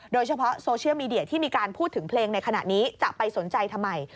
โดยเฉพาะโซเชียลมีเดียที่มีการพูดถึงเพลงในขณะนี้จะไปสนใจทำไม